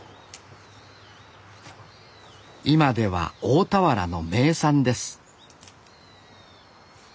今では大田原の名産です